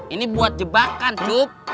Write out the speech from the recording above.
ini buat jebakan cup